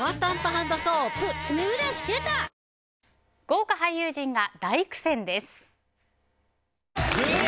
豪華俳優陣が大苦戦です。